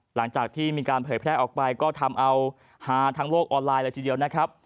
หลังจากที่มีการเผยแพร่ออกไปก็ทำเอาฮาทั้งโลกออนไลน์เลยทีเดียวนะครับ